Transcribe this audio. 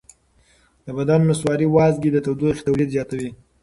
د بدن نسواري وازګې د تودوخې تولید زیاتوي.